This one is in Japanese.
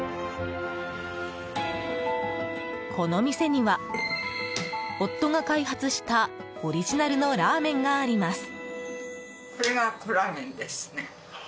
この店には、夫が開発したオリジナルのラーメンがあります。